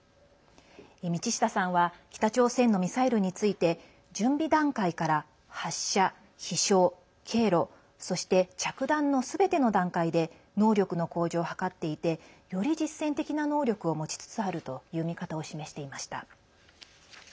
道下さんは北朝鮮のミサイルについて準備段階から発射、飛しょう、経路そして、着弾のすべての段階で能力の向上を図っていてより実戦的な能力を持ちつつあるという見方を示していました。